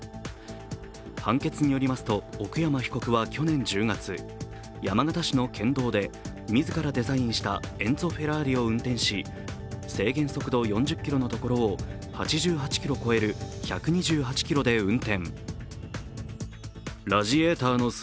判決によりますと奥山被告は去年１０月、山形市の県道で自らデザインしたエンツォ・フェラーリを運転し制限速度４０キロのところを８８キロ超える１２８キロで運転。